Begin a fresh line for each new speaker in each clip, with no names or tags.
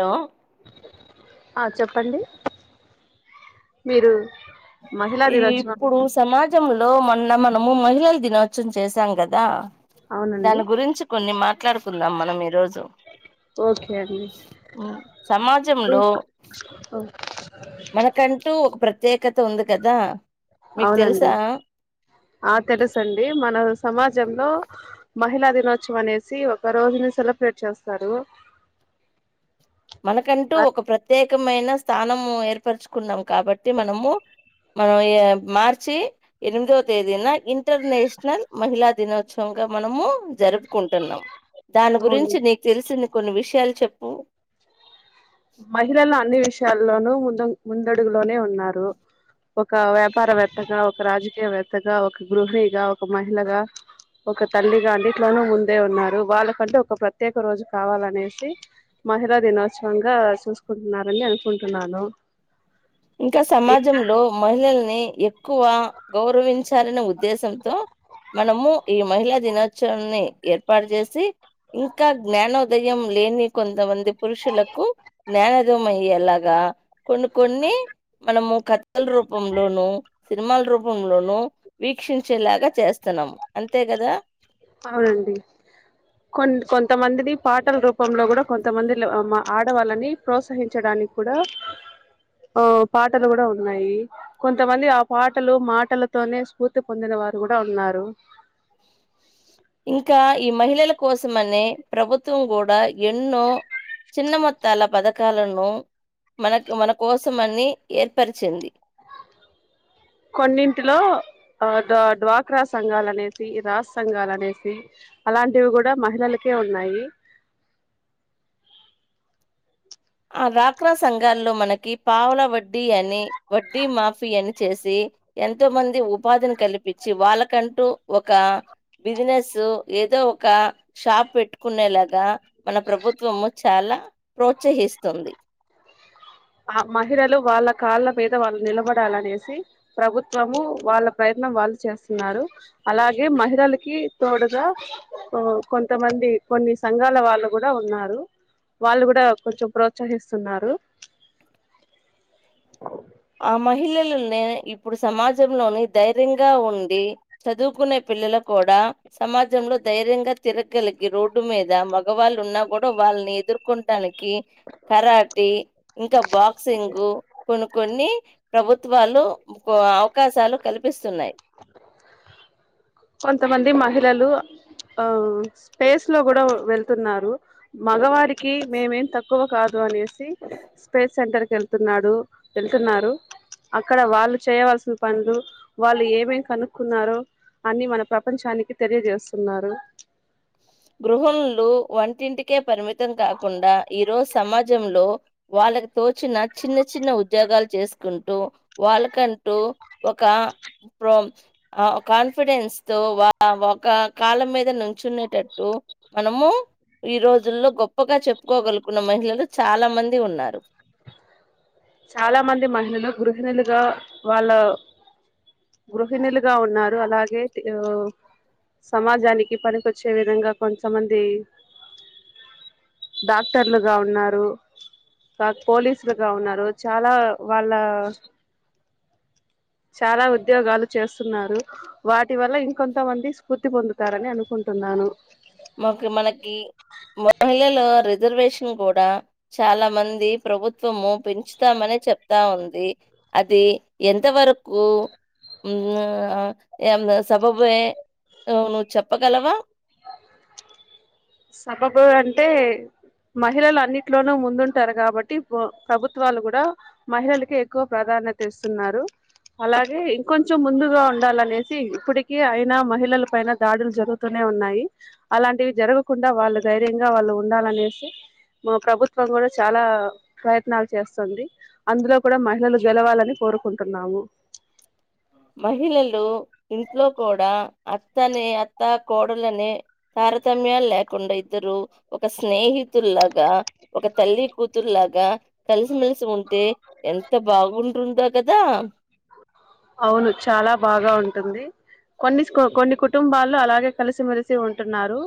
Hello
ఆ చెప్పండి మీరు మహిళా
ఈ
దినోత్సవం
ఇప్పుడు సమాజంలో మొన్న మ మనము మహిళలు దినోత్సవం చేశాం కదా
అవునండి
దాని గురించి కొన్ని మాట్లాడుకుందాం మనం ఈరోజు
ఓకే అండి
సమాజంలో మనకంటూ ఒక ప్ర ప్రత్యేకత ఉంది కదా మీకు
అవునండి
తెలుసా
ఆ తెలుసు అండి మన సమాజంలో మహిళా దినోత్సవం అనేసి ఒక రోజుని సెలబ్రేట్ చేస్తారు
మనకంటూ ఒక ప్రత్యేక త్యేకమైన స్థానము ఏర్పరచుకున్నాం కాబట్టి మనము మనం మార్చి ఎనిమిదవ తేదీన ఇంటర్నేషనల్ మహిళా దినోత్సవంగా మనము జరుపుకుంటున్నాం దాని గురించి
అవును
నీకు తెలిసిన కొన్ని విషయాలు చెప్పు
మహిళల్లో అన్ని విష యాలలోను ము ముందడుగులోనే ఉన్నారు ఒక వె వ్యాపారవేత్తగా ఒక రాజకీయవేత్త త్తగా ఒక గృహిణిగా ఒక మహిళగా ఒక తల్లిగా అన్నిట్లోనూ ముందే ఉన్నారు వాళ్ళకంటే ఒక ప్రత్యేక రోజు కావాలనేసి మహిళా దినోత్సవంగా చూసుకుంటున్నారని అనుకుంటున్నాను
ఇంకా
ఇంకా
సమాజంలో మహిళల్ని ఎక్కువ గౌరవించాలని ఉ ఉద్దేశంతో మనము ఈ మహిళా దినో త్సవాన్ని ఏర్పాటు చేసి ఇంకా జ్ఞానోదయం లేని కొంతమంది పురుషులకు జ్ఞానోదయమయ్యేలా కొన్ని కొన్ని మనము కథల రూపంలోనుూ సినిమాల రూపంలోను వీక్షించేలాగా చేస్తున్నాము అంతే కదా
అవునండి కొ కొంతమందిని పాటల రూపంలో కూడా కొంతమంది ఆడవాళ్ళని ప్రోత్సహించడానికి కూడా ఆ పాటలు కూడా ఉన్నాయి కొంతమంది ఆ పాటలు మాటలతోనే స్ఫూర్తి పొందిన వారు కూడా ఉన్నారు
ఇంకా ఈ మహిళల కోసమనే ప్రభుత్వం కూడా ఎన్నో చిన్న మొత్తాల పథకాలను మన కోసమని ఏర్పరిచింది
కొన్నింటిలో ఆ ద డ్వాక్రా సంఘాల అనేసి రాజ సంఘాలు అనేసి అలాంటివి కూడా మహిళలకే ఉన్నాయి
ఆ డ్వాక్రా సంఘాల్లో మనకి పావుల వడ్డీ అని వడ్డీ మాఫీ అని చేసి ఎంతోమంది ఉపాధిని కల్పించి వాళ్ళకంటూ ఒక బిజినెస్ ఏదో ఒక షాప్ పెట్టుకునేలాగా మన ప్రభుత్వము చాలా ప్రోత్సహిస్తుంది స్తుంది
ఆ మహిళలు వాళ్ళ కాళ్ళ మీద వాళ్ళు నిలబడాలనేసి ప్రభుత్వము వాళ్ళ ప్రయత్నం వాళ్ళు చేస్తున్నారు అలాగే మహిళలకి తోడుగా కొంతమంది కొన్ని సంఘాల వాళ్ళు కూడా ఉన్నారు వాళ్ళు కూడా కొంచెం ప్రోత్సహిస్తున్నారు
ఆ మహిళలనే ఇప్పుడు సమాజంలోని ధైర్యంగా ఉండి చదువుకునే పిల్లలు కూడా సమాజంలో ధైర్యంగా తిరగగలిగి రోడ్డు మీద మగవాళ్ళున్నా కూడా వాళ్ళని ఎదుర్కొటానికి కి కరాఠీ ఇంకా బాక్సింగ్ కొన్ని కొన్ని ప్రభుత్వాలు అవకాశాలు కల్పిస్తున్నాయి
కొంతమంది మహిళలు ఆ స్పేస్ లో కూడా వెళ్తున్నారు మగవారికి మేమేం తక్కువ కాదు అనేసి స్పేస్ సెంటర్ క వెళ్తున్నాడు వెళ్తున్నారు అక్కడ వాళ్ళు చేయవలసిన పనులు వాళ్ళు ఏమేం కనుక్కున్నారో అన్ని మన ప్రపంచానికి తెలియజేస్తున్నారు
గృహలు వంటింటికే పరిమిత మతం కాకుండా ఈ రోజు సమాజంలో వాళ్ళకి తోచిన చిన్న చిన్న ఉద్యోగాలు చేసుకుంటూ వాళ్ళకంటూ ఒక కాన్ఫిడెన్స్ తో ఒక కాలం మీద నుంచునేటటు మనము ఈ రోజుల్లో గొప్పగా చెప్పుకోగలుగున్న మహిళలు చాలా మంది ఉన్నారు
చాలా మంది మహిళలు గృహిణులుగా వాళ్ళ గృహిణులుగా ఉన్నారు అలాగే సమాజానికి పనికొచ్చే విధంగా కొంతమంది డాక్టర్లుగా ఉన్నారు కా పోలీసులుగా ఉన్నారు చాలా వాళ్ళ చాలా ఉద్యోగాలు చేస్తున్నారు వాటి వల్ల ఇంకొంతమంది స్ఫూర్తి పొందుతారని అనుకుంటున్నాను
మకు మనకి మహిళల రిజర్వేషన్ కూడా చాలా మంది ప్రభుత్వము పెంచుతమని చెప్తా ఉంది అది ఎంతవరకు సబబే నువ్వు చెప్పగలవా
సబబు అంటే మహిళలు అన్నిట్లోనూ ముందుంటారు కాబట్టి ప్రభుత్వాలు కూడా మహిళలక ఎక్కువ ప్రాధాన్యత ఇస్తున్నారు అలాగే ఇంకొంచం ముందుగా ఉండాలనేసి ఇప్పటిక అయినా మహిళల పైన దాడులు జరుగుతూనే ఉన్నాయి అలాంటివి జరుగు కుండా వాళ్ళు ధైర్యంగా వాళ్ళు ఉండాలనేసి మా ప్రభుత్వం కూడా చాలా ప్రయత్నాలు చేస్తుంది. అందులో కూడా మహిళలు గెలవాలని కోరుకుంటున్నాము.
మహిళలు ఇంట్లో కూడా అత్తనే అత్త కోడలనే తారతమ్యాలు లేకుండా ఇద్దరు ఒక స్నేహితుల్లాగా ఒక తల్లి కూతుర్లాగా కలిసిమెలిసి ఉం టే ఎంత బాగుంటుందో కదా
అవును చాలా బాగా ఉంటంది కొన్ని కొన్ని కుటుంబాల్లో అలాగే కలిసిమెలిసి ఉంటున్నారు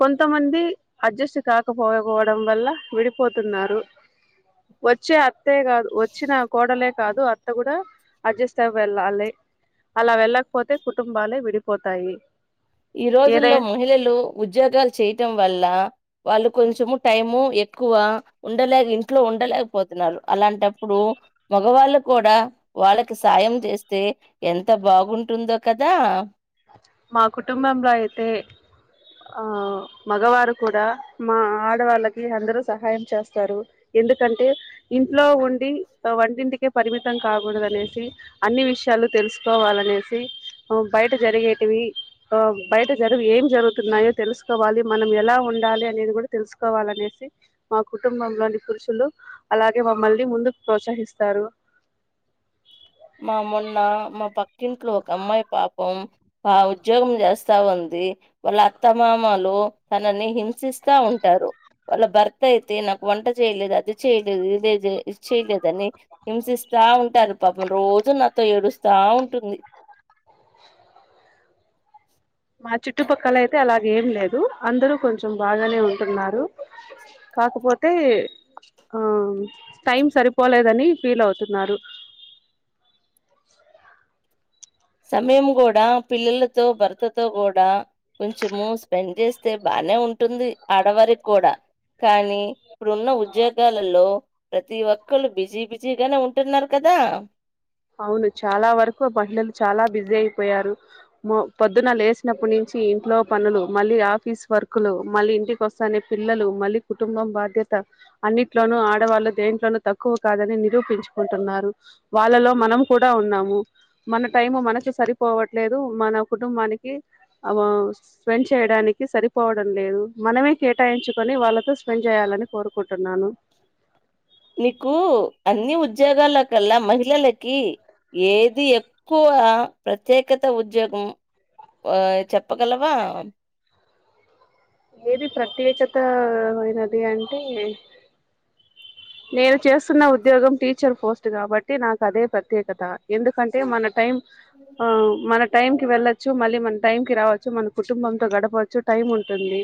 కొంతమంది అడ్జస్ట్ కాకపోపోవడం వల్ల విడిపోతున్నారు వచ్చే అత్తే కాదు వచ్చిన కోడలే కాదు అత్త కూడా అడ్జస్ట్ అవ్ వెళ్ళాలి అలా వెళ్ళకపోతే కుటుంబాలే విడిపోతాయి
ఈ
ఏదై
రోజుల్లో మహిళలు ఉద్యోగాలు చేయటం వల్ల వాళ్ళు కొంచము టైము ఎక్కువ ఉండలేక ఇంట్లో ఉండలేకపోతున్నారు అలాంటప్పుడు మగవాళ్ళు కూడా వాళ్ళకి సాయం చేస్తే ఎంత బాగుంటుందో కదా
మా కుటుంబంలో అయితే ఆ మగవారు కూడా మా ఆడవాళ్ళకి అందరూ సహాయం చేస్తారు ఎందుకంటే ఇంట్లో ఉండి వంటింటికే పరిమితం కాకూడదనేసి అన్ని విషయాలు తెలుసుకోవాలనేసి ఆ బయ టు జరిగేటివి ఆ బయట జరుగు ఏం జరుగుతున్నాయో తెలుసుకోవాలి మనం ఎలా ఉండాలి అనేది కూడా తెలుసుకోవాలనేసి మా కుటుంబంలోని పురుషులు అలాగే మమ్మల్ని ముందుకు ప్రోత్సహిస్తారు
మా మొన్న మా పక్కింట్లో ఒక అమ్మాయి పాపం బా ఉద్యోగం చేస్తా ఉంది వాళ్ళ అత్త మామలు తనని హింసిస్తా ఉంటారు వాళ్ళ భర్తయితే నాకు వంట చేయలేదు అది చేయలేదు ఇది ఇది చేయలేదని హింసిస్తా ఉంటారు త [unintelligible] రోజూ నాతో ఏడుస్తా ఉంటుంది
మా చుట్టుపక్కల అయితే అలాగ ఏం లేదు అందరూ కొంచెం బాగానే ఉంటున్నారు కాకపోతే ఆ టైం సరిపోలేదని ఫీల్ అవుతున్నారు
సమయము కూడా పిల్లలతో భర్తతో కూడా కొంచెము స్పెండ్ చేస్తే బానే ఉంటుంది ఆడవారికి కూడా కానీ ఇప్పుడున్న ఉద్యోగాలలో ప్రతి ఒక్కళ్ళూ బిజీ బిజీగానే ఉంటున్నారు కదా
అవును చాలా వరకు మహిళలు చాలా బిజీ అయిపోయారు మ పొద్దున లేసినప్పుటి నుంచి ఇంట్లో పనులు మళ్ళీ ఆఫీస్ వర్కులు మళ్ళీ ఇంటికి వస్తానే పిల్లలు మళ్ళీ కుటుంబం బాధ్యత అన్నిట్లోనూ ఆడవాళ్ళు దేంట్లోనూ తక్కువ కాదని నిరూపించుకుంటున్నారు వాళ్ళలో మనం కూడా ఉన్నాము మన టైము మనకి సరిపోవట్లేదు మన కుటుంబానికి ఆ లో స్పెండ్ చేయడానికి సరిపోవడం లేదు మనమే కేటాయించుకొని వాళ్ళతో స్పెండ్ చేయాలని కోరుకుంటున్నాను
నీకు అన్ని ఉద్యోగాల్లో కల్లా మహిళలకి ఏది ఎక్కువ ప్రత్యేకత ఉద్యోగం చెప్పగలవా
ఏది ప్రత్యేకత ఐనది అంటే నేను చేస్తున్న ఉద్యోగం టీచర్ పోస్ట్ కాబట్టి నాకు అదే ప్రత్యేకత ఎందుకంటే మన టైం ఆ మన టైం టి వెళ్ళొచ్చు మళ్ళీ మన టైం కి రావచ్చు మన కుటుంబంతో గడపచ్చు టైం ఉంటుంది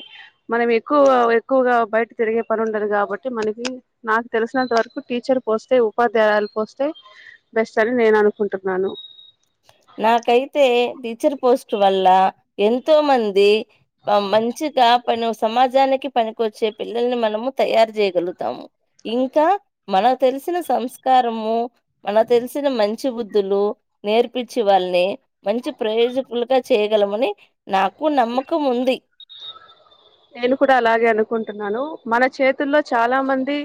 మనం ఎక్కువ ఎక్కువగా బయట తిరిగే పని ఉండదు కాబట్టి మనకి నాకు తెలిసినంత వరకు టీచర్ పోస్టే ఉపాధ్యాయులు పోస్టే బెస్ట్ అని నేను అనుకుంటున్నాను
నాకైతే టీచర్ పోస్ట్ వల్ల ఎంతో మంది మంచిగా పని సమాజానికి పనికొచ్చే పిల్లల్ని మనము తయారు చేయగలుగుతాము ఇంకా మనకు తెలిసిన సంస్కారము మనకు తెలిసిన మంచి బుద్ధులు నేర్పించి వాళ్ళని మంచి ప్రయోజకులుగా చేయగలమని నాకు నమ్మకం ఉంది
నేను కూడా అలాగే అనుకుంటున్నాను మన చేతుల్లో చాలా మంది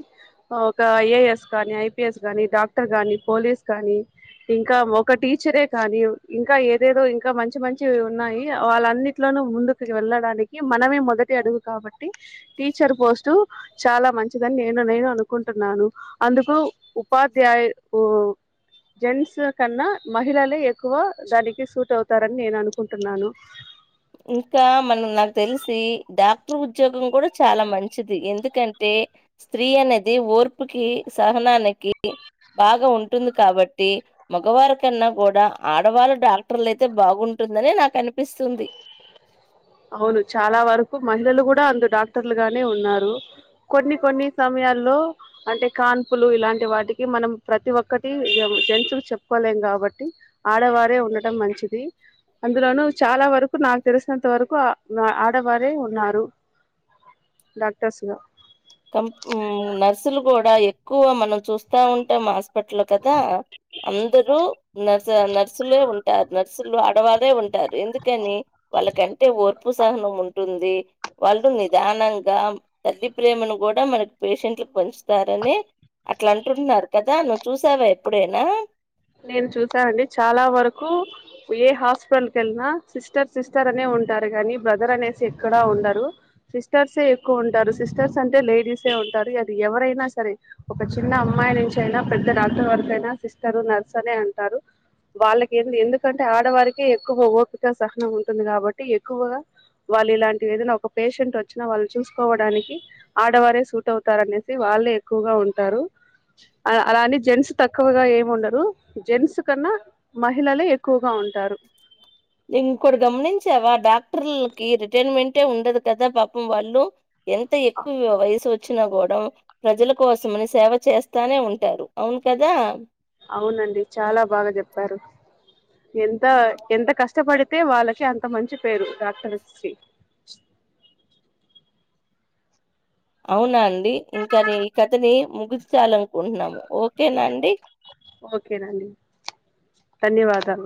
ఒక ఐఏఎస్ కానీ ఐపిఎస్ కాని డాక్టర్ గాని పోలీస్ కాని ఇంకా ఒక టీచరే కానీ ఇంకా ఏదేదో ఇంకా మంచి మంచి ఉన్నాయి వాళ్ళన్నిట్లోనూ ముందుకు వెళ్ళడానికి మనమే మొదటి అడుగు కాబట్టి టీచర్ పోస్ట్ చాలా మంచిదని నేను నేను అనుకుంటున్నాను అందుకు ఉపాధ్యాయు జెన్స్ కన్నా మహిళలే ఎక్కువ దానికి సూట్ అవుతారని నేను అనుకుంటున్నాను
ఇంకా మనం నాకు తెలిసి డాక్టర్ ఉద్యోగం కూడా చాలా మంచిది ఎందుకంటే స్త్రీ అనేది ఓర్పుకి సహనానికి బాగా ఉంటుంది కాబట్టి మగవారి కన్నా కూడా ఆడవాళ్ళ డాక్టర్లయితే బాగుంటుందని నాకు అనిపిస్తుంది
అవును చాలా వరకు మహిళలు కూడా అందు డాక్టర్లుగానే ఉన్నారు కొన్ని కొన్ని సమయాల్లో అంటే కాన్పులు ఇలాంటి వాటికి మనం ప్రతి ఒక్కటి జెన్స్ కి చెప్పుకోలేం కాబట్టి ఆడవారే ఉండటం మంచిది అందులోనూ చాలా వరకు నాకు తెలిసినంత వరకు ఎక్కువ ఆడవారే ఉన్నారు డాక్టర్స్ గా
కం నర్సులు కూడా ఎక్కువ మనం చూస్తా ఉంటే పట్ల కదా అందరుూ నర్ నర్సులే ఉంటారు నర్సులు ఆడవాళ్ళ ఉంటారు ఎందుకని వాళ్ళకంటే ఓర్పు సహనం ఉంటుంది వాళ్ళు నిదానంగా తల్లి ప్రేమను కూడా మనకి పేషెంట్లకు పంచుతారని అట్లా అంటుంటున్నారు కదా నువ్వు చూసావా ఎప్పుడైనా
నేను చూసానండి చాలా వరకు ఏ హాస్పిటల్కి వెల్లినా సిస్టర్ సిస్టర్ అనే ఉంటారు కానీ బ్రదర్ అనేసి ఎక్కడా ఉండరు సిస్టర్సే ఎక్కువ ఉంటారు సిస్టర్స్ అంటే లేడీసే ఉంటారు అది ఎవరైనా సరే ఒక చిన్న అమ్మాయి నుంచి అయినా పెద్ద డాక్టర్ వరక అయినా సిస్టర్ నర్స్ అనే అంటారు వాళ్ళకి ఏ ఎందుకంటే ఆడవారికే ఎక్కువ ఓపిక సహనం ఉంటుంది కాబట్టి ఎక్కువగా వాళ్ళు ఇలాంటివి ఏదైనా ఒక పేషెంట్ వచ్చినా వాళ్ళు చూసుకోవడానికి ఆడవారే సూట్ అవుతారునేసి వాళ్ళే ఎక్కువగా ఉంటారు అలానే జేన్స్ తక్కువగా ఏమి ఉండరు జేన్స్ కన్నా మహిళలే ఎక్కువగా ఉంటారు
ఇంకోటి గమనించావా డాక్టర్లకి రిటైర్మెంటే ఉండదు కదా పాపం వాళ్ళు ఎంత ఎక్కువ వయసు కి వచ్చ వచ్చిన కూడా ప్రజల కోసమని సేవ చేస్తానే ఉంటారు అవును కదా
అవునండి చాలా బాగా చెప్పారు ఎంత ఎంత కష్టపడితే వాళ్ళకి అంత మంచి పేరు డాక్టర్స్ కి
అవునా డి ఇంకా నే ఈ కథని ముగించాల అనుకుంటున్నాము ఓకేనా అండి
ఓకేనండి ధన్యవాదాలు